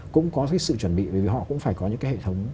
cũng có sự chuẩn bị vì họ cũng phải có những hệ thống